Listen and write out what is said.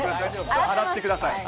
洗ってください。